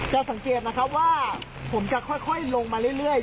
จะสังเกตนะครับว่าผมจะค่อยค่อยลงมาเรื่อยเรื่อย